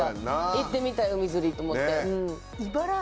行ってみたい海釣りと思って。